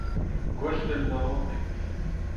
Gwastell Naoned.